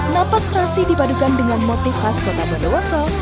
nampak serasi dibadukan dengan motif khas kota bodowoso